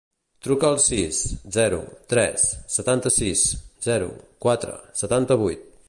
Truca al sis, zero, tres, setanta-sis, zero, quatre, setanta-vuit.